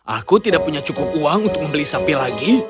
aku tidak punya cukup uang untuk membeli sapi lagi